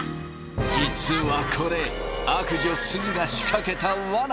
実はこれ悪女すずが仕掛けた罠。